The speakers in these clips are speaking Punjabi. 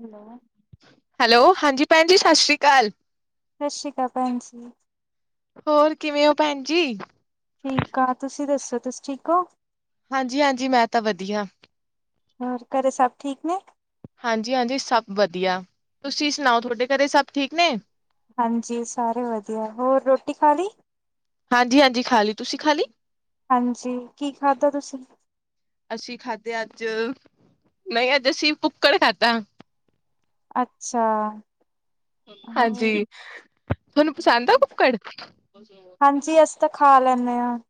ਹੈਲੋ, ਹੈਲੋ, ਹਾਂਜੀ ਭੈਣ ਜੀ। ਸਤਿ ਸ਼੍ਰੀ ਅਕਾਲ। ਕੱਲ ਸਤਿ ਸ਼੍ਰੀ ਅਕਾਲ। ਭੈਣ ਜੀ। ਹੋਰ, ਕਿਵੇਂ ਹੋ ਭੈਣ ਜੀ? ਠੀਕ ਆ। ਤੁਸੀਂ ਦੱਸੋ, ਤੁਸੀਂ ਠੀਕ ਹੋ? ਹਾਂਜੀ-ਹਾਂਜੀ। ਮੈਂ ਤਾਂ, ਵਧੀਆ। ਹੋਰ ਘਰੇ ਸਭ ਠੀਕ ਨੇ ਹਾਂਜੀ-ਹਾਂਜੀ ਸਭ ਵਧੀਆ ਤੁਸੀਂ ਸੁਣਾਓ ਤੁਹਾਡੇ ਘਰੇ ਸਭ ਠੀਕ ਨੇ ਹਾਂਜੀ ਸਾਰੇ ਵਧੀਆ ਹੋਰ ਰੋਟੀ ਖਾ ਲਈ ਹਾਂਜੀ-ਹਾਂਜੀ ਖਾ ਲਈ ਤੁਸੀਂ ਖਾਲੀ ਹਾਂਜੀ ਕੀ ਖਾਧਾ ਤੁਸੀਂ ਅਸੀਂ ਖਾਧੇ ਅੱਜ ਨਹੀਂ ਅੱਜ ਅਸੀਂ ਪੁੱਕੜ ਖਾਧਾ ਅੱਛਾ ਹੋਰ ਹਾਂਜੀ ਤੁਹਾਨੂੰ ਪਸੰਦ ਆ ਗੁਫਕੜ [unintelligible] ਹਮ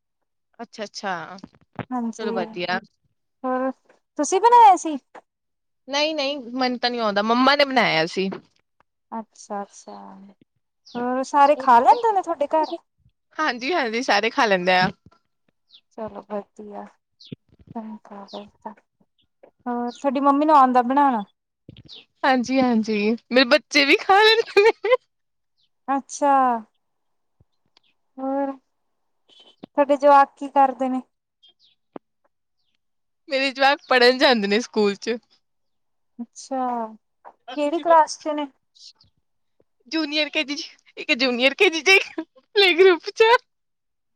ਅੱਛਾ-ਅੱਛਾ ਹਾਂਜੀ ਚਲੋ ਵਧੀਆ। ਹੋਰ ਤੁਸੀਂ ਬਣਾਇਆ ਸੀ ਨਹੀਂ-ਨਹੀਂ ਮਨ ਤਾਂ ਨਹੀਂ ਆਉਂਦਾ ਮੰਮਾ ਨੇ ਬਣਾਇਆ ਸੀ ਅੱਛਾ-ਅੱਛਾ ਹੋਰ ਸਾਰੇ ਖਾ ਲੈਂਦੇ ਨੇ ਤੁਹਾਡੇ ਘਰ ਹਾਂਜੀ-ਹਾਂਜੀ ਸਾਰੇ ਖਾ ਲੈਂਦੇ ਆ। ਚਲੋ ਵਧੀਆ, ਹੋਰ ਸਾਡੀ ਮੰਮੀ ਨੂੰ ਆਉਂਦਾ ਬਣਾਉਣ ਹਾਂਜੀ-ਹਾਂਜੀ ਮੇਰੇ ਬੱਚੇ ਵੀ ਖਾ ਲੈਂਦੇ ਹਦੇ [unintelligible] ਅੱਛਾ ਹੋਰ ਤੁਹਾਡੇ ਜਵਾਕ ਕੀ ਕਰਦੇ ਨੇ ਮੇਰੇ ਜਵਾਕ ਪੜ੍ਹਨ ਜਾਂਦੇ ਨੇ ਸਕੂਲ ਚ ਅੱਛਾ ਕਿਹੜੀ ਕਲਾਸ ਚ ਨੇ ਜੂਨੀਅਰ ਕ ਇੱਕ ਜੂਨੀਅਰ ਕ ਗਰੁੱਪ ਚ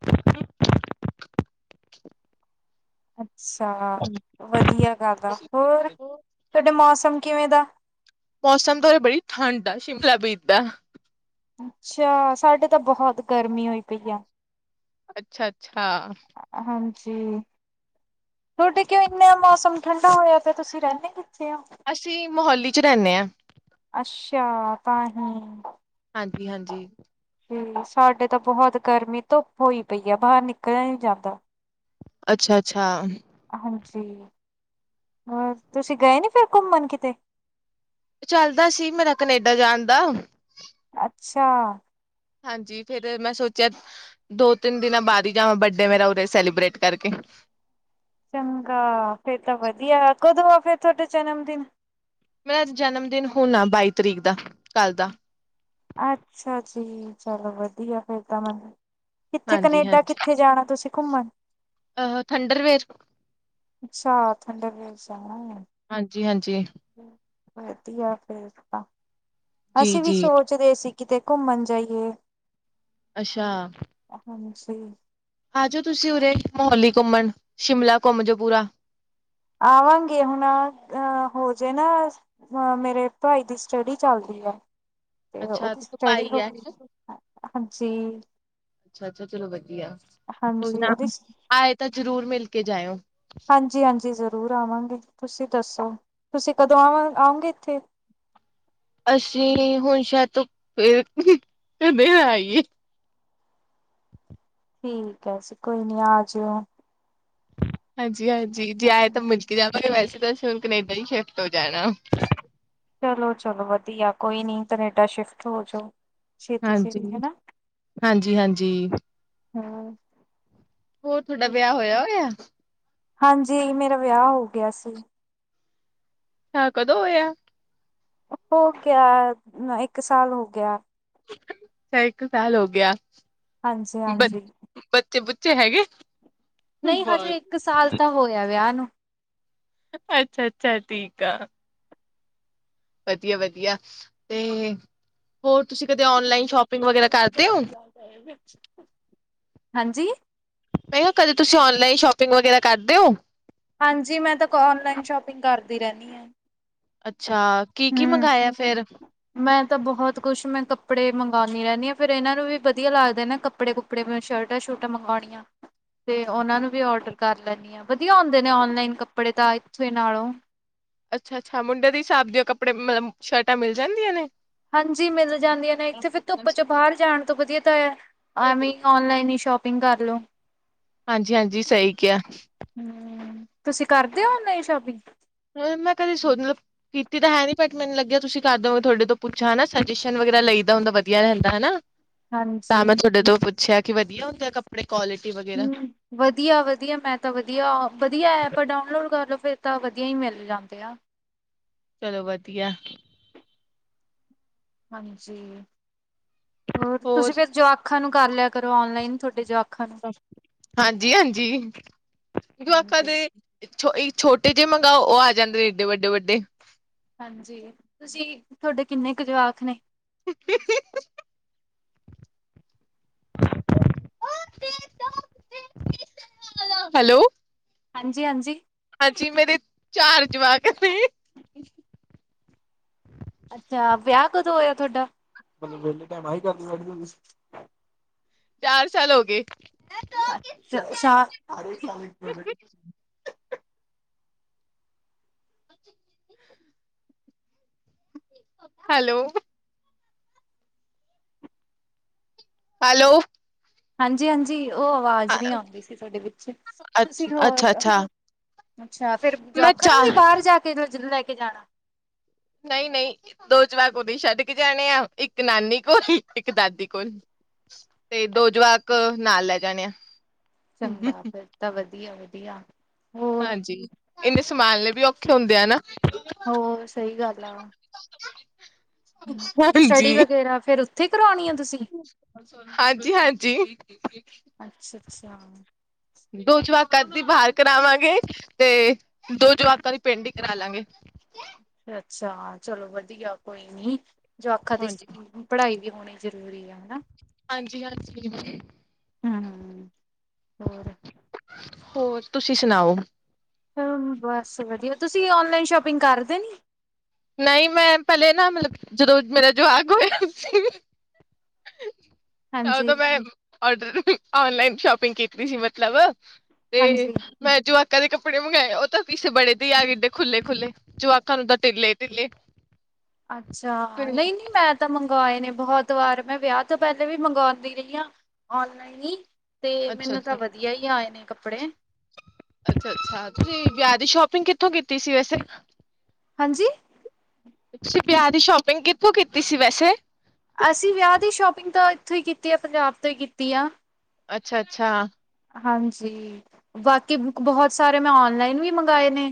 [unintelligible] [inaudible] ਅੱਛਾ ਵਧੀਆ ਗੱਲ ਆ ਹੋਰ ਤੁਹਾਡੇ ਮੌਸਮ ਕਿਵੇਂ ਦਾ ਮੌਸਮ ਤਾਂ ਉਰੇ ਬੜੀ ਠੰਡ ਆ ਸ਼ਿਮਲਾ ਬੀਦਾ ਅੱਛਾ ਸਾਡੇ ਤਾਂ ਬਹੁਤ ਗਰਮੀ ਹੋਈ ਪਈ ਆ ਅੱਛਾ-ਅੱਛਾ ਹਾਂਜੀ ਤੁਹਾਡੇ ਕਿਉ ਇੰਨੇ ਮੌਸਮ ਠੰਡਾ ਹੋਇਆ ਪਿਆ ਤੇ ਤੁਸੀਂ ਰਹਿੰਦੇ ਕਿਵੇਂ ਓ ਅਸੀਂ ਮੋਹਾਲੀ ਚ ਰਹਿੰਦੇ ਹਾਂ ਅੱਛਾ ਤਾਂਹੀ ਹਾਂਜੀ-ਹਾਂਜੀ ਹ ਸਾਡੇ ਤਾਂ ਬਹੁਤ ਗਰਮੀ ਧੁੱਪ ਹੋਈ ਪਈ ਆ ਬਾਹਰ ਨਿਕਲ ਨ [unintelligible] ਜਾਂਦਾ ਅੱਛਾ-ਅੱਛਾ ਹਾਂਜੀ ਹੋਰ ਤੁਸੀਂ ਗਏ ਨੀ ਫਿਰ ਘੁੰਮਣ ਕਿਤੇ ਚੱਲਦਾ ਸੀ ਮੇਰਾ ਕਨੇਡਾ ਜਾਣ ਦਾ ਅੱਛਾ ਹਾਂਜੀ ਫੇਿਰ ਮੈਂ ਸੋਚਿਆ ਦੋ ਤਿੰਨ ਦਿਨਾਂ ਬਾਅਦ ਹੀ ਜਾਵਾਂ ਬਡੇ ਮੇਰਾ ਉਰੇ ਸੈਲੀਬ੍ਰੇਟ ਕਰਕੇ ਚੰਗਾ ਫੇਰ ਤਾਂ ਵਧੀਆ ਕਦੋਂ ਆ ਫੇਿਰ ਤੁਹਾਡਾ ਜਨਮ ਦਿਨ ਮੇਰਾ ਜਨਮ ਦਿਨ ਹੁਣਾ ਬਾਈ ਤਰੀਕ ਦਾ ਕੱਲ ਦਾ ਅੱਛਾ ਜੀ ਚਲੋ ਵਧੀਆ ਫਿਰ ਤਾਂ ਮੈਨੂੰ ਕਿੱਥੇ ਹਾਂਜੀ ਕਨੇਡਾ ਹਾਂਜੀ ਕਿੱਥੇ ਜਾਣਾ ਤੁਸੀਂ ਘੁੰਮਣ ਅਹ ਥੰਡਰਵੇਰ ਅੱਛਾ ਠੰਡੇ ਦੇਸ ਵਾਓ ਹਾਂਜੀ-ਹਾਂਜੀ ਵਧੀਆ ਫਿਰ ਤਾਂ ਜੀ ਅਸੀਂ ਵੀ ਜੀ ਸੋਚ ਰਹੇ ਸੀ ਕਿਤੇ ਘੁੰਮਣ ਜਾਈਏ ਅੱਛਾ- ਤੇ- ਆ ਜਾਓ ਤੁਸੀਂ ਉਰੇ ਮੋਹਾਲੀ ਘੁੰਮਣ ਸ਼ਿਮਲਾ ਘੁੰਮ ਜੋ ਪੂਰਾ ਆਵਾਂਗੇ ਹੁਣ ਅ ਹੋ ਜਾਇ ਨਾ ਮੇਰੇ ਭਾਈ ਦੀ ਸਟੱਡੀ ਚੱਲਦੀ ਹੈ। ਅੱਛਾ ਭਾਈ ਆ ਅੱਛਾ ਹਾਂਜੀ -ਅੱਛਾ ਚਲੋ ਵਧੀਆ ਕੋਈ ਹਾਂਜੀ ਨਾ ਉਹਦੀ ਆਏ ਤਾਂ ਜਰੂਰ ਮਿਲ ਕੇ ਜਾਇਓ ਹਾਂਜੀ ਹਾਂਜੀ ਜ਼ਰੂਰ ਆਵਾਂਗੇ ਤੁਸੀਂ ਦੱਸੋ ਤੁਸੀਂ ਕਦੋਂ ਆਵ ਆਓਗੇ ਇੱਥੇ ਅਸੀਂ ਹੁਣ ਸ਼ਾਇਦ ਤੋਂ ਫਿਰ ਕਦੇ ਨਾ ਆਈਏ ਠੀਕ ਹੈ। ਕੋਈ ਨੀ ਆ ਜਇਓ ਹਾਂ ਜੀ ਜੀ ਹਾਂਜੀ ਜੀ ਆਏ ਤਾਂ ਮਿਲ ਕੇ ਜਾਵਾਂਗੇ ਵੈਸੇ ਅਸੀਂ ਤਾਂ ਹੁਣ ਕਨੇਡਾ ਹੀ ਸ਼ਿਫਟ ਹੋ ਜਾਣਾ ਚਲੋ ਚਲੋ ਵਧੀਆ ਕੋਈ ਨੀ ਕਨੇਡਾ ਸ਼ਿਫਟ ਹੋਜੌ ਹਾਂਜੀ ਹਾਂਜੀ ਜੀ ਹਾਂਜੀ ਹੂੰ। ਹੋਰ ਤੁਹਾਡਾ ਵਿਆਹ ਹੋਇਆ ਹੋਇਆ ਹਾਂਜੀ ਮੇਰਾ ਵਿਆਹ ਹੋ ਗਿਆ ਸੀ ਹਾ ਕਦੋਂ ਹੋਇਆ। ਹੋ ਗਿਆ ਇੱਕ ਸਾਲ ਹੋ ਗਿਆ। ਅੱਛਾ ਇੱਕ ਸਾਲ ਹੋ ਗਿਆ। ਹਾਂਜੀ ਬ ਹਾਂਜੀ ਬੱਚੇ ਬੁੱਚੇ ਹੈਗੇ। ਨਹੀਂ ਹਜੇ ਇੱਕ ਸਾਲ ਤਾਂ ਹੋਇਆ ਵਿਆਹ ਨੂੰ ਅੱਛਾ ਅੱਛਾ ਠੀਕ ਆ ਵਧੀਆ ਵਧੀਆ ਤੇ ਹੋਰ ਤੁਸੀਂ ਕਦੇ ਔਨਲਾਈਨ ਸ਼ੋਪਿੰਗ ਵਗੈਰਾ ਕਰਦੇ ਹੋ। ਹਾਂਜੀ ਮੈਂ ਕਿਹਾ ਕਦੇ ਤੁਸੀਂ ਔਨਲਾਈਨ ਸ਼ੋਪਿੰ ਗ ਵਗੈਰਾ ਕਰਦੇ ਓ ਹਾਂਜੀ ਮੈਂ ਤਾਂ ਔਨਲਾਈਨ ਸ਼ੋਪਿੰਗ ਕਰਦੀ ਰਹਿੰਨੀ ਆ ਅੱਛਾ ਕੀ-ਕੀ ਮੰਗਾਏਆ ਫੇਰ? ਮੈਂ ਤਾਂ ਬਹੋਤ ਕੁੱਛ ਮੈਂ ਕੱਪੜੇ ਮੰਗੌਨੀ ਰੈਨੀ ਆ। ਫੇਰ ਐਨਾਂ ਨੂੰ ਵੀ ਵਦੀਆ ਲੱਗਦੇ ਨੇ ਨਾ ਕੱਪੜੇ ਕੁੱਪੜੇ ਮ ਸ਼ਲਟਾਂ- ਸੂ਼ਲਟਾਂ ਮੰਗੌਣੀਆ ਤੇ ਓਨਾਂ ਨੂੰ ਵੀ ਔਰਡਰ ਕਰ ਲੈਂਨੀ ਆ। ਵਦੀਆ ਆਉਂਦੇ ਨੇ ਓਨਲਾਈਨ ਕੱਪੜੇ ਤਾਂ ਏਥੋਂ ਨਾਲੋ਼। ਅੱਛਾ-ਅੱਛਾ ਮੁੰਡੇ ਦੀ ਹਿਸਾਬ [unintelligible] ਕੱਪੜੇ ਮਲਬ ਸ਼ਲਟਾਂ ਮਿਲ ਜਾਂਦੀਆਂ ਨੇ? ਹਾਂਜੀ ਮਿਲ ਜਾਂਦੀਆਂ ਨੇ, ਇੱਥੇ ਫਿਰ ਧੁੱਪ ਚ ਬਾਹਰ ਜਾਣ ਤੋਂ ਵਦੀਆ, ਤਾਂ ਐਵੇਂ ਈ ਓਨਲਾਈਨ ਈ ਸ਼ੋਪ ਪਿੰਗ ਕਾਰਲੋ। ਹਾਂਜੀ, ਹਾਂਜੀ ਸੲਈ ਕੇਆ। ਹਮ ਤੁਸੀਂ ਕਰਦੇ ਓ ਔਨਨਾਈਨ ਸ਼ੋਪਿੰਗ? ਮੈਂ ਕਦੇ ਸੋ ਮਤਲਬ ਕੀਤੀ ਤਾਂ ਹੈ ਨੀ, ਬਟ ਮੈਨੂੰ ਲੱਗੇਆ ਤੁਸੀਂ ਕਰਦੇ ਹੋਗੇ ਥੋਡੇ ਤੋਂ ਪੁੱਛਾਂ ਹਨਾ। ਸਜੈਸ਼ਨ ਵਗੈਰਾ ਲਈਦਾ ਹੁੰਦਾ ਵਦੀਆ ਰੇਂਦਾ ਹਨਾ। ਤਾਂ ਹਾਂਜੀ ਮੈਂ ਥੋਡੇ ਤੋਂ ਪੁੱਛੇਆ ਕੇ ਵਦੀਆ ਹੁੰਦੇ ਆ ਕੱਪੜੇ? ਕੁਆਲਿਟੀ ਵਗੈਰਾ ਹੂੰ, ਵਦੀਆ-ਵਦੀਆ ਮੈਂ ਤਾ ਵਦੀਆ ਬਦੀਐ, ਐਪ ਡਾਊਨਲੋਡ ਕਰ ਲੋ ਫੇਰ। ਤਾਂ ਵਦੀਆਂ ਈ ਮੇਲ ਜਾਂਦੇ ਆ। ਚਲੋ ਵਦੀਆ। ਹਾਂਜੀ। ਹੋਰ ਤੁਸੀਂ ਫੇਰ ਜਵਾਖ ਖਾਂ ਨੂੰ ਕਰ ਲੇਆ ਕਰੋ ਔਨਲਾਈਨ ਥੋਡੇ ਜਵਾਕ ਹਾਂਜੀ, ਹਾਂਜੀ ਜਵਾਕਾਂ ਹਾਂਜੀ ਦੇ ਛੋ ਈ ਛੋਟੇ ਜੇ ਮੰਗਓ ਓ ਆ ਜਾਂਦੇ ਐਡੇ ਵੱਡੇ-ਵੱਡੇ। ਹਾਂਜੀ, ਤੁਸੀਂ ਥੋਡੇ ਕਿੰਨੇ ਕ ਜਵਾਕ ਨੇ? [unintelligible] [unintelligible] ਹੈਲੋ। ਹਾਂਜੀ, ਹਾਂਜੀ ਹਾਂਜੀ ਮੇਰੇ ਚਾਰ ਜਵਾਕ ਨੇ। ਅੱਛਾ, ਵਿਆ ਕਦੋਂ ਹੋਏਆ? ਥੋਡਾ? [inaudible] ਚਾਰ ਸਾਲ ਹੋ ਗੇ। ਅੱਛਾ ਹੈਲੋ। ਹੈਲੋ। ਹਾਂਜੀ-ਹਾਂਜੀ [unintelligible] ਓ ਅਵਾਜ਼ ਨੀ ਔਂਦੀ ਸੀ ਥੋਡੀ ਵਿੱਚ। ਤੁਸੀਂ ਹੋਰ ਅੱਛਾ-ਅੱਛਾ ਅੱਛਾ ਫੇਰ ਮੈਂ ਜਵਾਕਾ ਨੂੰ ਵੀ ਚਾਰ ਬਾਰ ਜਾ ਕੇ ਲਜ ਕੇ ਜਾਣਾ ਨਈ, ਨਈ ਦੋ ਜਵਾਕ ਉਰੀ ਛੱਡ ਕੇ ਜਾਣੇ ਆ, ਇੱਕ ਨਾਨੀ ਕੋਲ ਇੱਕ ਦਾਦੀ ਕੋਲ। ਤੇ ਦੋ ਜਵਾਕ ਨਾਲ ਲੈ ਜਾਣੇ ਆ। ਚੰਗਾ ਫਿਰ ਤਾਂ ਵ ਵਦੀਆ, ਵਦੀਆ। ਹਾਂਜੀ ਏਨੇ ਸੰਮਾਲਨੇ ਵੀ ਔਖੇ ਹੁੰਦੇ ਆ ਨਾ। ਹੋਰ ਸਹੀ ਗੱਲ ਆ ਸਟੱਡੀ ਹਾਂਜੀ। ਵਗੈਰਾ ਫਿਰ ਉੱਥੇ ਕਰਾਉਣੀ ਹਾਂਜੀ-ਹਾਂਜੀ ਅੱਛਾ ਅੱਛਾ। ਦੋ ਜਵਾਕ ਕਦੀ ਬਾਹਰ ਕਰਾਵਾਂਗੇ ਤੇ ਦੋ ਜਮਤਾਂ ਦੀ ਪਿੰਡ ਹੀ ਕਰਾ ਲਾਂਗੇ ਅੱਛਾ ਚਲੋ ਵਧੀਆ ਕੋਈ ਨੀ ਜੋਵਾਕਾ ਦੀ ਹਾਂਜੀ। ਪੜ੍ਹਾਈ ਹੋਣੀ ਜ਼ਰੂਰੀ ਆ ਹਨਾ ਹਾਂਜੀ-ਹਾਂਜੀ ਵੀ ਹੂੰ ਹੋਰ ਹੋਰ ਤੁਸੀਂ ਸੁਣਾਓ ਬਸ ਵਧੀਆ ਤੁਸੀਂ ਔਨਲਾਈਨ ਸ਼ੋਪਿੰਗ ਕਰ ਦੇ ਨੀ ਨਹੀਂ ਮੈਂ ਪਹਿਲੇ ਨਾ ਮਤਲਬ ਜਦੋਂ ਮੇਰਾ ਜੋਵਾਕ ਹੋਇਆ ਸੀ ਹਾਂਜੀ ਓਦੋਂ ਮੈਂ ਆਰਡਰ ਔਨਲਾਈਨ ਸ਼ੋਪਿੰਗ ਕੀਤੀ ਸੀ ਮਤਲਬ ਤੇ ਹਾਂਜੀ ਮੈਂ ਜੋ ਕਦੇ ਕੱਪੜੇ ਮੰਗਵਾਏ ਉਹ ਤਾਂ ਪੀਸ ਬੜੇ ਦੇ ਹੀ ਆ ਗਏ ਏਡੇ ਖੁੱਲੇ ਖੁੱਲੇ ਜੋਵਾਕਾ ਨੂੰ ਤਾਂ ਟਿੱਲੇ ਟਿੱਲੇ ਅੱਛਾ ਨਹੀਂ-ਨਹੀਂ ਮੈਂ ਤਾਂ ਮੰਗਵਾਏ ਨੇ ਬਹੁਤ ਵਾਰ ਮੈਂ ਵਿਆਹ ਤੋਂ ਪਹਿਲੇ ਵੀ ਮੰਗਵਾਉਂਦੀ ਰਹੀ ਹਾਂ ਔਨਲਾਈਨ ਹੀ ਤੇ ਮੈਨੂੰ ਅੱਛਾ-ਅੱਛਾ ਤਾਂ ਵਧੀਆ ਹੀ ਆਏ ਨੇ ਕੱਪੜੇ ਅੱਛਾ ਅੱਛਾ ਤੁਸੀਂ ਵਿਆਹ ਦੀ ਸ਼ੌਪਿੰਗ ਕਿੱਥੋਂ ਕੀਤੀ ਸੀ ਵੈਸੇ ਹਾਂਜੀ ਤੁਸੀਂ ਵਿਆਹ ਦੀ ਸ਼ੋਪਿੰਗ ਕਿੱਥੋਂ ਕੀਤੀ ਸੀ ਵੈਸੇ ਅਸੀਂ ਵਿਆਹ ਦੀ ਸ਼ੋਪਿੰਗ ਤਾਂ ਉੱਥੋਂ ਹੀ ਕੀਤੀ ਆ ਪੰਜਾਬ ਤੋਂ ਹੀ ਕੀਤੀ ਆ ਅੱਛਾ-ਅੱਛਾ ਹਾਂਜੀ ਬਾਕੀ ਬੁ ਬਹੁਤ ਸਾਰੇ ਮੈਂ ਔਨਲਾਈਨ ਵੀ ਮੰਗਵਾਏ ਨੇ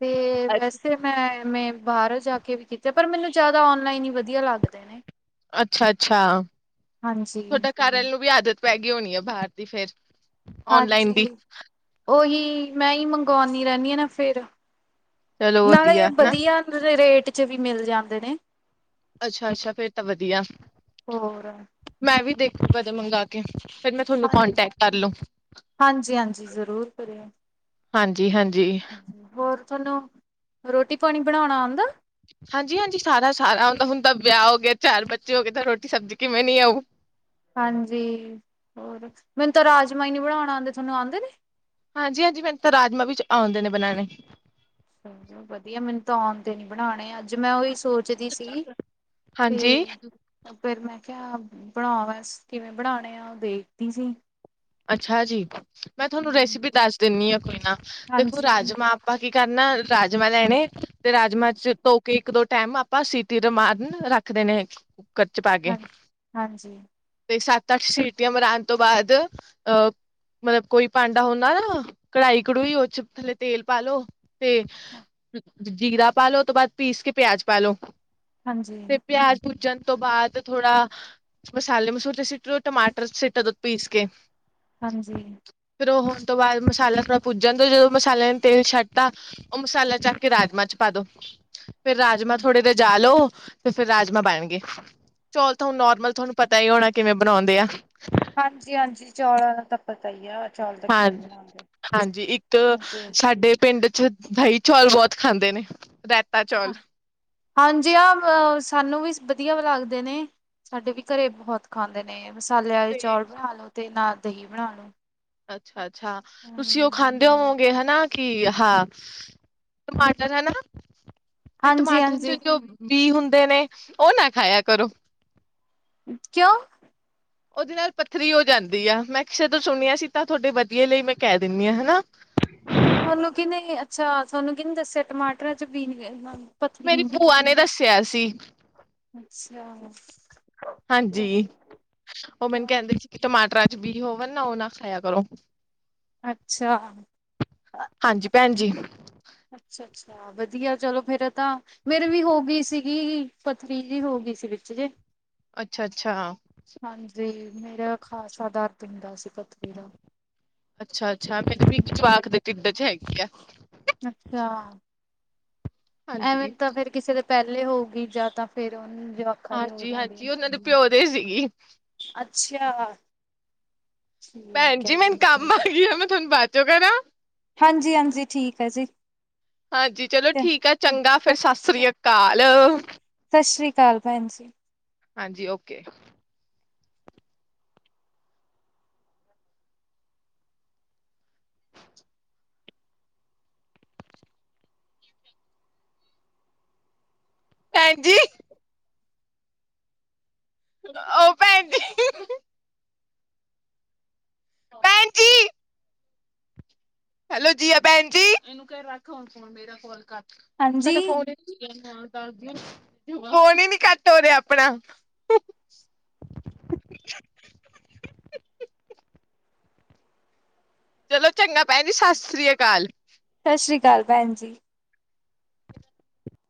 ਤੇ ਵੈਸੇ ਮੈਂ ਵੇ ਬਾਹਰ ਜਾ ਕੇ ਵੀਤੇ ਪਰ ਮੈਨੂੰ ਜ਼ਿਆਦਾ ਔਨਲਾਈਨ ਹੀ ਵਧੀਆ ਲੱਗਦੇ ਨੇ ਅੱਛਾ-ਅੱਛਾ ਹਾਂਜੀ ਤੁਹਾਡਾ ਘਰ ਆਲੇ ਨੂੰ ਵੀ ਆਦਤ ਪੈ ਗਈ ਹੋਣੀ ਹੈ ਬਾਹਰ ਦੀ ਫੇਰ ਔਨਲਾਈਨ ਦੀ ਹਾਂਜੀ ਓਹੀ ਮੈਂ ਹੀ ਮੰਗਵਾਉਂਦੀ ਰਹਿੰਦੀ ਹਾਂ ਨਾ ਫੇਰ ਚਲੋ ਨਾਲੇ ਵਧੀਆ ਇਹ ਹਨਾ ਵਧੀਆ ਰੇਟ ਵਿੱਚ ਵੀ ਮਿਲ ਜਾਂਦੇ ਨੇ ਅੱਛਾ-ਅੱਛਾ ਫੇਰ ਤਾਂ ਵਧੀਆ ਹੋਰ ਮੈਂ ਵੀ ਦੇਖ ਮੈਂ ਤਾਂ। ਮੰਗਵਾ ਕੇ ਫਿਰ ਮੈਂ ਤੁਹਾਨੂੰ ਹਾਂਜੀ ਕੋਂਟੈਕਟ ਕਰ ਲੂੰ, ਹਾਂਜੀ ਹਾਂਜੀ ਜ਼ਰੂਰ ਕਰਿਓ ਹਾਂਜੀ-ਹਾਂਜੀ। ਹੋਰ ਤੁਹਾਨੂੰ ਰੋਟੀ ਪਾਣੀ ਬਣਾਉਣਾ ਆਉਂਦਾ? ਹਾਂਜੀ-ਹਾਂਜੀ ਸਾਰਾ-ਸਾਰਾ ਹੁੰਦਾ ਹੁਣ ਤਾਂ ਵਿਆਹ ਹੋ ਗਿਆ ਚਾਰ ਬੱਚੇ ਹੋ ਗਏ ਤਾਂ ਰੋਟੀ ਸਬਜ਼ੀ ਕਿਵੇਂ ਨੀ ਆਊ ਹਾਂਜੀ ਹੋਰ ਮੈਨੂੰ ਤਾਂ ਰਾਜਮਾ ਹੀ ਨਹੀ ਬਣਾਉਣ ਆਉਂਦੇ। ਤੁਹਾਨੂੰ ਆਉਂਦੇ ਨੇ? ਹਾਂਜੀ-ਹਾਂਜੀ ਮੈਨੂੰ ਤਾਂ ਰਾਜਮਾਂ ਵੀ ਆਉਂਦੇ ਨੇ ਬਣਾਉਣੇ। ਵਧੀਆ ਮੈਨੂੰ ਤਾਂ ਆਉ ਦੇ ਨੀ ਬਣਾਉਣੇ ਅੱਜ ਮੈਂ ਉਹੀ ਸੋਚਦੀ ਸੀ ਤੇ ਹਾਂਜੀ ਫਿਰ ਮੈਂ ਕਿਆ ਬਣਾ ਬਸ ਕਿਵੇਂ ਬਣਾਣੇ ਆ ਉਹ ਦੇਖਦੀ ਸੀ। ਅੱਛਾ ਜੀ ਮੈਂ ਤੁਹਾਨੂੰ ਰੈਸਿਪੀ ਦੱਸ ਦਿੰਦੀ ਹਾਂ। ਕੋਈ ਨਾ ਦੇਖੋ ਹਾਂਜੀ ਰਾਜਮਾ ਆਪਾਂ ਕੀ ਕਰਨਾ? ਰਾਜਮਾਂ ਲੈਣੇ ਤੇ ਰਾਜਮਾਂ ਚ ਧੋ ਕੇ ਇੱਕ ਦੋ ਟਾਈਮ ਆਪਾਂ ਸੀਟੀ ਰਮਾਨ ਰੱਖ ਦੇਣੇ। ਕੂਕਰ ਚ ਪਾਕੇ, ਹਾਂਜੀ ਹਾਂਜੀ ਤੇ ਸੱਤ ਤੱਕ ਸੀਟੀਆਂ ਮਰਾਣ ਤੋਂ ਬਾਅਦ ਅਹ ਮਤਲਬ ਕੋਈ ਭਾਂਡਾ ਹੁੰਦਾ ਨਾ ਕਢਾਈ ਕਢੂਈ ਉਹ ਚ ਥੱਲੇ ਤੇਲ ਪਾਲੋ ਤੇ ਜੀਰਾ ਪਾ ਲੋ ਉਸ ਤੋਂ ਬਾਅਦ ਪੀਸ ਕੇ ਪਿਆਜ ਪਾ ਲੋ। ਹਾਂਜੀ ਤੇ ਪਿਆਜ ਭੂਜਣ ਉਸ ਤੋਂ ਬਾਅਦ ਥੋੜਾ ਮਸਾਲੇ ਮਸੁਲੇ ਸੀਟ ਦਿਓ ਟਮਾਟਰ ਸਿਟ ਦੋ ਪੀਸ ਕੇ। ਹਾਂਜੀ। ਫਿਰ ਉਹ ਹੋਣ ਤੋਂ ਬਾਅਦ ਮਸਾਲਾ ਥੋੜਾ ਪੁੱਜਣ ਦੋ ਜਦੋਂ ਮਸਾਲਿਆਂ ਨੇ ਤੇਲ ਛੱਡ ਤਾਂ ਉਹ ਮਸਾਲਾ ਚੱਕ ਕੇ ਰਾਜਮਾ ਚ ਪਾ ਦੋ। ਫੇਰ ਰਾਜਮਾਂ ਥੋੜੇ ਰਜਾਲੋ ਤੇ ਫਿਰ ਰਾਜਮਾਂ ਬਣਗੇ। ਚੋਲ ਤੁਹਾਨੂੰ ਨੋਰਮਲ ਤੁਹਾਨੂੰ ਪਤਾ ਤਾਂ ਹੀ ਹੋਣਾ ਕਿਵੇਂ ਬਣਾਉਂਦੇ ਆ ਹਾਂਜੀ-ਹਾਂਜੀ ਚੌਲਾਂ ਦਾ ਤਾਂ ਪਤਾ ਹੀ ਆ। ਚੌਲ ਤਾਂ ਹਾਂ ਕਿਵੇਂ ਬਣਾਉਂਦੇ। ਹਾਂਜੀ। ਇੱਕ ਹਾਂਜੀ ਸਾਡੇ ਪਿੰਡ ਦਹੀਂ ਚੌਲ ਬਹੁਤ ਖਾਂਦੇ ਨੇ ਰੈਤਾ ਚੌਲ ਹਾਂਜੀ ਆ ਅ ਸਾਨੂੰ ਵੀ ਵਧੀਆ ਲੱਗਦੇ ਨੇ, ਸਾਡੇ ਵੀ ਘਰੇ ਬਹੁਤ ਖਾਂਦੇ ਨੇ। ਮਸਾਲੇ ਵਾਲੇ ਤੇ ਚੋਲ ਬਣਾ ਲੋ, ਤੇ ਨਾਲ ਦਹੀਂ ਬਣਾ ਲੋ। ਅੱਛਾ ਅੱਛਾ ਤੁਸੀਂ ਉਹ ਹੂੰ, ਖਾਂਦੇ ਹੋਵੋਗੇ ਹਨਾ ਕੀ ਹਾਂ ਟਮਾਟਰ ਹੈਨਾ ਤੇ ਟਮਾਟਰ ਹਾਂਜੀ-ਹਾਂਜੀ ਚ ਜੋ ਬੀ ਹੁੰਦਾ ਹੁੰਦੇ ਨੇ ਉਹ ਨਾ ਖਾਇਆ ਕਰੋ ਕਿਉਂ ਉਹਦੇ ਨਾਲ ਪੱਥਰੀ ਹੋ ਜਾਂਦੀ ਆ ਮੈਂ ਜਦੋਂ ਸੁਣਿਆ ਸੀ ਤਾਂ ਤੁਹਾਡੇ ਵਧੀਆ ਲਈ ਮੈਂ ਕਹਿ ਦਿੰਦੀ ਹਾਂ ਹਨਾ ਤੁਹਾਨੂੰ ਕੀਨੇ ਅੱਛਾ ਤੁਹਾਨੂੰਕੀਨੇ ਦੱਸਿਆ ਟਮਾਟਰਾਂ ਚ ਬੀਨ ਮੇਰੀ ਭੂਆ ਨੇ ਦੱਸਿਆ ਸੀ ਅੱਛਾ ਹਾਂਜੀ ਉਹ ਮੈਨੂੰ ਕਹਿੰਦੇ ਸੀ ਕਿ ਟਮਾਟਰਾਂ ਬੀ ਹੋਵੇ ਨਾ ਉਹ ਨਾ ਖਾਇਆ ਕਰੋ ਅੱਛਾ ਹਾਂਜੀ ਭੈਣ ਜੀ ਅੱਛਾ-ਅੱਛਾ ਅੱਛਾ ਵਧੀਆ ਚਲੋ ਫੇਰ ਤਾਂ ਮੇਰੇ ਵੀ ਹੋ ਗਈ ਸੀਗੀ ਪਥਰੀ ਜੀ ਹੋ ਗਈ ਸੀ ਵਿੱਚ ਜੇ ਅੱਛਾ-ਅੱਛਾ ਹਾਂਜੀ ਮੇਰਾ ਖਾਸਾ ਦਰਦ ਹੁੰਦਾ ਸੀ ਪਥਰੀ ਦਾ ਅੱਛਾ ਅੱਛ ਅੱਛਾ ਮੇਰੇ ਵੀ ਇੱਕ ਚਵਾਕ ਦੇ ਟਿੱਡ ਚ ਹੈਗੇ ਗੀ ਆ ਅੱਛਾ ਐਵੇਂ ਹਾਂਜੀ। ਤਾਂ ਫੇਰ ਕਿਸੇ ਦੇ ਪਹਿਲੇ ਹੋਊਗੀ ਜਾਂ ਤਾਂ ਫੇਰ ਉਹਨੂੰ ਜਵਾਕਾਂ ਦੇ ਹੋ ਜਾਂਦੀ ਆ ਹਾਂਜੀ-ਹਾਂਜੀ ਉਹਨਾਂ ਦੇ ਪਿਓ ਦੇ ਸੀਗੀ ਅੱਛਾ ਭੈਣ ਠੀਕ ਹੈ ਜੀ ਮੈਨੂੰ ਕੰਮ ਆ ਗਿਆ ਮੈ ਤੁਹਾਨੂੰ ਬਾਂਚੋ ਕਰਾ ਹਾਂਜੀ-ਹਾਂਜੀ ਠੀਕ ਹੈ ਜੀ ਹਾਂਜੀ ਚਲੋ ਠੀਕ ਆ ਚੰਗਾ ਫੇਰ ਸਤਿ ਸ੍ਰੀ ਅਕ ਕਾਲ ਸਤਿ ਸ਼੍ਰੀ ਅਕਾਲ ਭੈਣ ਜੀ ਹਾਂਜੀ ਓਕੇ ਭੈਣਜੀ ਉਹ ਭੈਣ ਦੀ ਭੈਣਜੀ ਹੈਲੋ ਜੀ ਭੈਣ ਜੀ [unintelligible] ਹਾਂਜੀ ਫੋਨ ਨੀ ਕੱਟ ਹੋ ਰਿਹਾ ਆਪਣਾ ਚਲੋ ਚੰਗਾ ਭੈਣ ਜੀ ਸਤਿ ਸ੍ਰੀ ਅਕਾਲ ਸਤਿ ਸ਼੍ਰੀ ਅਕਾਲ ਭੈਣ ਜੀ।